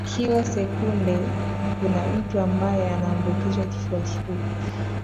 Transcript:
Kila sekunde kuna mtu ambaye anaambukizwa kifua kikuu